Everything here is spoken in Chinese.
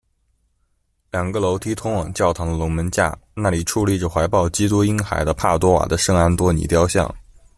两个楼梯通往教堂的龙门架，那里矗立着怀抱基督婴孩的帕多瓦的圣安多尼雕像。